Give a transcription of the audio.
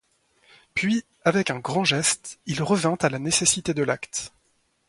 Puis, avec un grand geste, il revint à la nécessité de l'acte.